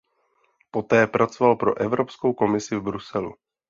Poté pracoval pro Evropskou komisi v Bruselu.